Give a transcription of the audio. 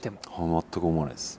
全く思わないです。